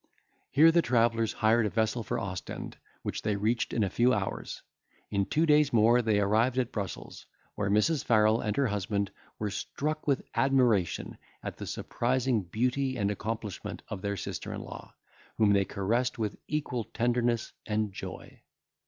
Here the travellers hired a vessel for Ostend, which they reached in a few hours; in two days more they arrived at Brussels, where Mrs. Farrel and her husband were struck with admiration at the surprising beauty and accomplishment of their sister in law, whom they caressed with equal tenderness and joy.